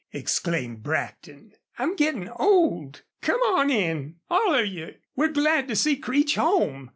exclaimed Brackton. "I'm gittin' old. Come on in. All of you! We're glad to see Creech home."